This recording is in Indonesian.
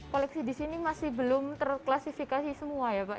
koleksi di sini masih belum terklasifikasi semua ya pak